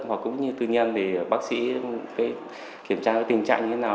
hoặc cũng như tư nhân thì bác sĩ kiểm tra tình trạng như thế nào